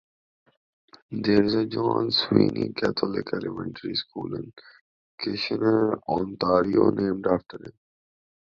There is a John Sweeney Catholic Elementary School in Kitchener, Ontario named after him.